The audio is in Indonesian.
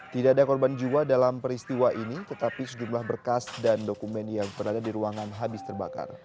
tidak ada korban jiwa dalam peristiwa ini tetapi sejumlah berkas dan dokumen yang berada di ruangan habis terbakar